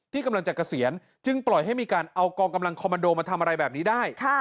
ที่กำลังจะเกษียณจึงปล่อยให้มีการเอากองกำลังคอมมันโดมาทำอะไรแบบนี้ได้